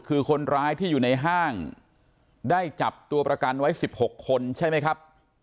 คือคนร้ายที่อยู่ในห้างได้จับตัวประกันไว้๑๖คนใช่ไหมครับ